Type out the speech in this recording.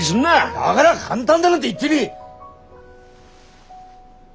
だがら簡単だなんて言ってねえ！